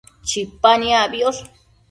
Chipa niacbiosh